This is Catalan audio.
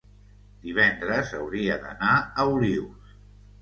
divendres hauria d'anar a Olius.